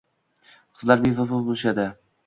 Qizlar bevafo bo'lishadi